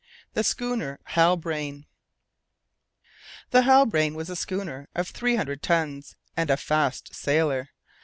THE SCHOONER HALBRANE. The Halbrane was a schooner of three hundred tons, and a fast sailer.